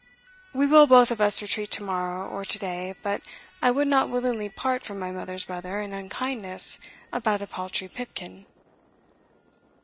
"We will both of us retreat to morrow, or to day, but I would not willingly part from my mother's brother in unkindness about a paltry pipkin."